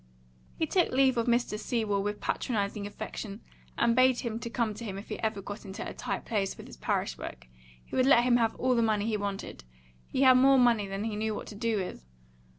He took leave of Mr. Sewell with patronising affection, and bade him come to him if he ever got into a tight place with his parish work; he would let him have all the money he wanted; he had more money than he knew what to do with.